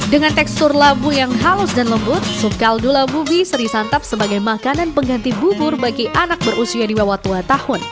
dengan tekstur labu yang halus dan lembut sup kaldu labu bisa disantap sebagai makanan pengganti bubur bagi anak berusia di bawah dua tahun